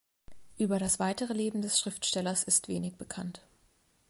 Über das weitere Leben des Schriftstellers ist wenig bekannt.